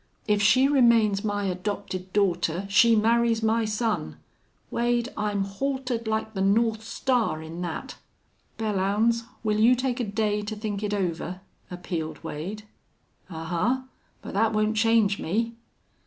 If she remains my adopted daughter she marries my son.... Wade, I'm haltered like the north star in that." "Belllounds, will you take a day to think it over?" appealed Wade. "Ahuh! But that won't change me."